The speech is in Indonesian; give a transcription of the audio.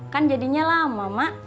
kan jadinya lama mak